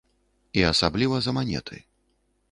І асабліва за манеты.